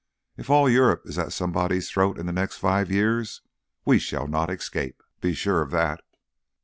If all Europe is at somebody's throat in the next five years, we shall not escape; be sure of that.